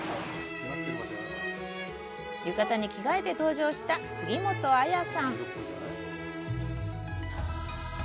浴衣に着替えて登場した杉本彩さん